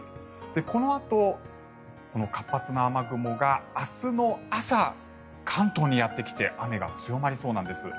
このあとこの活発な雨雲が明日の朝関東にやってきて雨が強まりそうなんです。